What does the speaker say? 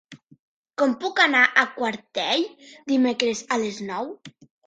Com puc anar a Quartell dimecres a les nou?